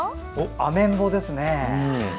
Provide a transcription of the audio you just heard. アメンボですね。